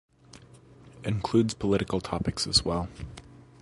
Includes political topics as well.